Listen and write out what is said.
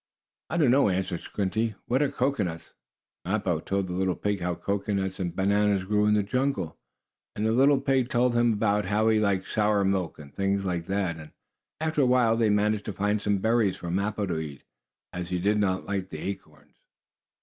"I don't know," answered Squinty. "What are cocoanuts?" Mappo told the little pig how cocoanuts and bananas grew in the jungle, and the little pig told about how he liked sour milk and things like that. And, after a while, they managed to find some berries for Mappo to eat, as he did not like the acorn nuts.